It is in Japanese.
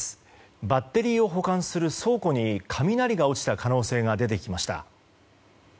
バッテリーを保管する倉庫に雷が落ちた可能性が出てきました。